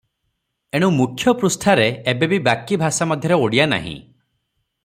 ଏଣୁ ମୁଖ୍ୟ ପୃଷ୍ଠାରେ ଏବେ ବି ବାକି ଭାଷା ମଧ୍ୟରେ ଓଡ଼ିଆ ନାହିଁ ।